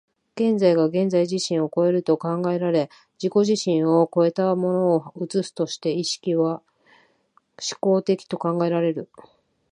現在が現在自身を越えると考えられ、自己自身を越えたものを映すとして、意識は志向的と考えられる。